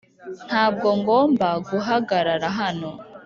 ntabwo ngomba guhagarara hano.